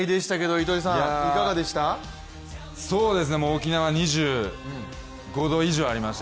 沖縄、２５度以上ありました。